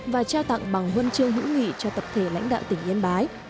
và trao tặng bằng huân chương hữu nghị cho tập thể lãnh đạo tỉnh yên bái